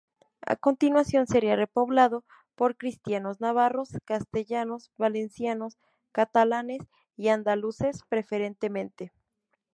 A continuación sería repoblado por cristianos navarros, castellanos, valencianos, catalanes y andaluces, preferentemente.